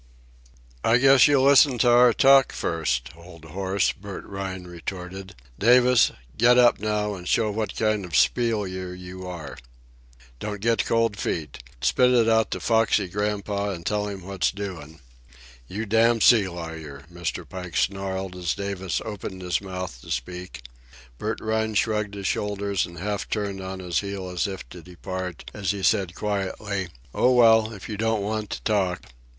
"I guess you'll listen to our talk, first, old horse," Bert Rhine retorted. "—Davis, get up now and show what kind of a spieler you are. Don't get cold feet. Spit it out to Foxy Grandpa an' tell 'm what's doin'." "You damned sea lawyer!" Mr. Pike snarled as Davis opened his mouth to speak. Bert Rhine shrugged his shoulders, and half turned on his heel as if to depart, as he said quietly: "Oh, well, if you don't want to talk